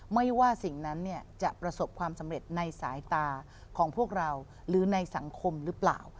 ไม่ว่าสิ่งนั้นจะประสบความสำเร็จในสายตาของพวกเราหรือในสังคมหรือเปล่า